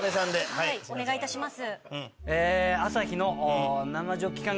はいお願いいたします。